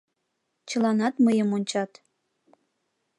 Чыланат мыйым ончат.